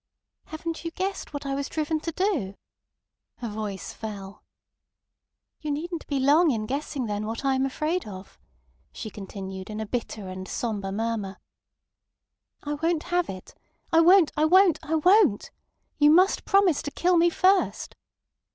"Haven't you guessed what I was driven to do!" Her voice fell. "You needn't be long in guessing then what I am afraid of," she continued, in a bitter and sombre murmur. "I won't have it. I won't. I won't. I won't. You must promise to kill me first!"